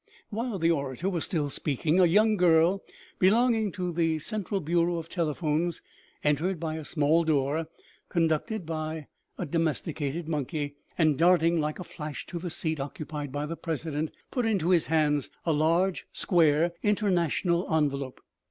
While the orator was still speaking, a young girl belong ing to the central bureau of telephones, entered by a small door, conducted by a domesticated monkey, and, darting like a flash to the seat occupied by the president, put into his hands a large, square, international envelope.